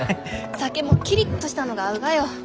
酒もキリッとしたのが合うがよ。